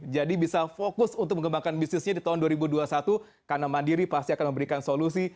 jadi bisa fokus untuk mengembangkan bisnisnya di tahun dua ribu dua puluh satu karena mandiri pasti akan memberikan solusi